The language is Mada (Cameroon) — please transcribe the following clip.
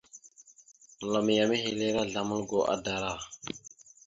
Məlam ya mehelire azlam algo ahəɗara.